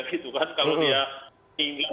gitu kan kalau dia tinggal